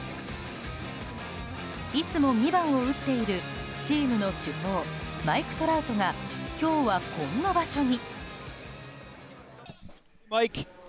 いつも２番を打っているチームの主砲マイク・トラウトが今日はこんな場所に。